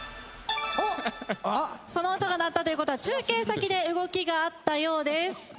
その音が鳴ったという事は中継先で動きがあったようです。